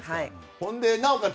ほんで、なおかつ